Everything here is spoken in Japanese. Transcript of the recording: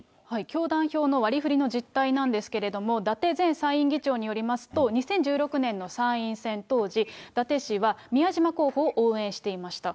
教団票の割りふりの実態なんですけれども、伊達前参院議長によりますと、２０１６年の参院選当時、伊達氏は宮島候補を応援していました。